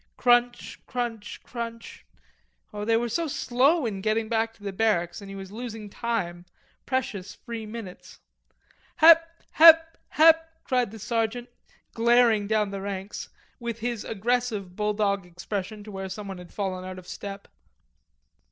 Crunch, crunch, crunch; oh, they were so slow in getting back to the barracks and he was losing time, precious free minutes. "Hep, hep, hep," cried the sergeant, glaring down the ranks, with his aggressive bulldog expression, to where someone had fallen out of step.